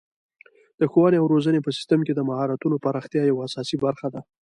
د ښوونې او روزنې په سیستم کې د مهارتونو پراختیا یوه اساسي برخه ده.